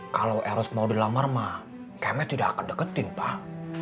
kalau eros mau dilamar mah kami tidak akan deketin pak